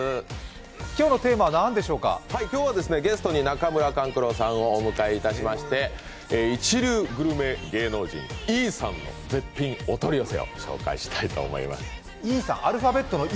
今日はゲストに中村勘九郎さんをお迎えいたしまして一流グルメ芸能人、Ｅさんの絶品お取り寄せを紹介したいと思います。